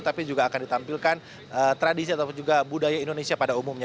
tapi juga akan ditampilkan tradisi ataupun juga budaya indonesia pada umumnya